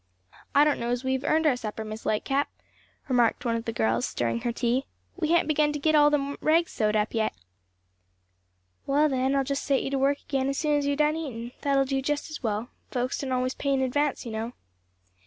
"I don't know as we've earned our supper, Mis' Lightcap," remarked one of the girls, stirring her tea; "we hain't begun to git all them rags sewed up yet." "Well, then, I'll just set you to work again as soon as you're done eatin'; that'll do just as well; folks don't always pay in advance, you know."